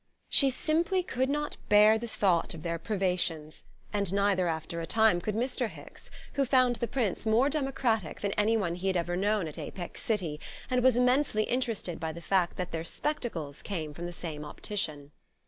She simply could not bear the thought of their privations; and neither, after a time, could Mr. Hicks, who found the Prince more democratic than anyone he had ever known at Apex City, and was immensely interested by the fact that their spectacles came from the same optician.